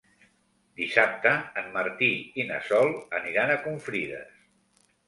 Dissabte en Martí i na Sol aniran a Confrides.